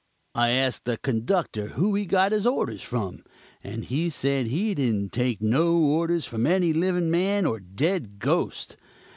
I asked a conductor who he got his orders from, and he said he didn't take no orders from any living man or dead ghost.